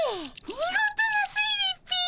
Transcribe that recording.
見事な推理っピ！